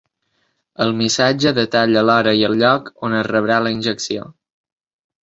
El missatge detalla l’hora i el lloc on es rebrà la injecció.